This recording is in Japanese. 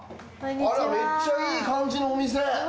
めっちゃいい感じのお店。